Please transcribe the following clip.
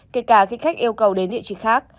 kể cả khi khách yêu cầu đến địa chỉ khác